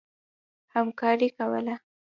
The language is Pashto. همکاري کوله.